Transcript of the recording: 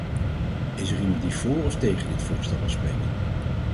Is er iemand die voor of tegen dit voorstel wil spreken?